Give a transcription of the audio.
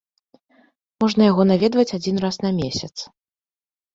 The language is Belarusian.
Можна яго наведваць адзін раз на месяц.